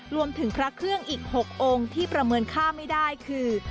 รวมถึงพระเครื่องอีก๖องค์ที่ประเมินค่าไม่ได้คือ